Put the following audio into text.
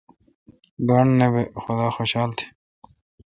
گانٹھ نہ۔ بہ یئ خدا خوشال تہ۔